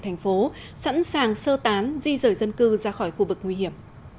thành phố sẵn sàng sơ tán di rời dân cư ra khỏi khu vực nguy hiểm